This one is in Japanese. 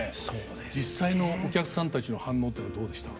実際のお客さんたちの反応というのはどうでした？